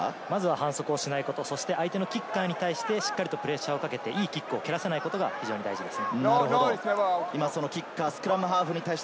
反則をしないこと、相手のキッカーに対してプレッシャーをかけていいキックを蹴らさないことが大事です。